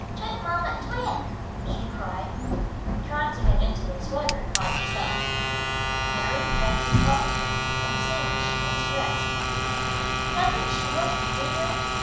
"Twick, Mamma! Twick!" she cried, trying to get into the sweater by herself. Mary Frances helped her and soon she was dressed. "Doesn't she look dear!"